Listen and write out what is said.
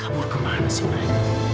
kabur kemana sih mereka